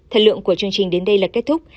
thời lượng của chương trình đến đây là kết thúc